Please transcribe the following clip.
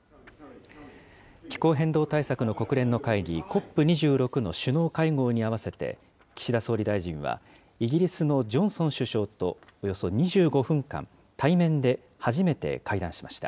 気候変動対策の国連の会議、ＣＯＰ２６の首脳会合に合わせて岸田総理大臣はイギリスのジョンソン首相とおよそ２５分間、対面で初めて会談しました。